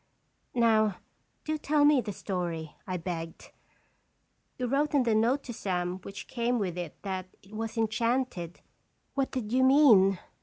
"Now, do tell me the story," I begged. " You wrote in the note to Sam which came with it that it was enchanted. What did you mean?"